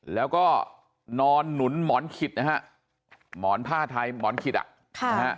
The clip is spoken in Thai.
แล้วก็นอนหนุนหมอนขิดนะฮะหมอนผ้าไทยหมอนขิดอ่ะค่ะนะฮะ